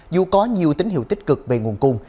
dù có nhiều tín hiệu tích cực về nguồn cung